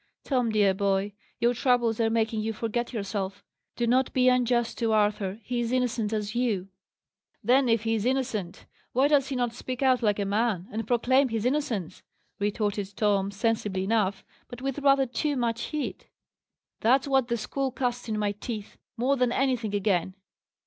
"Tom, dear boy, your troubles are making you forget yourself. Do not be unjust to Arthur. He is innocent as you." "Then if he is innocent, why does he not speak out like a man, and proclaim his innocence?" retorted Tom, sensibly enough, but with rather too much heat. "That's what the school cast in my teeth, more than anything again.